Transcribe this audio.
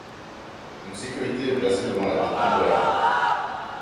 Une sécurité est placée devant la détente de l'arme.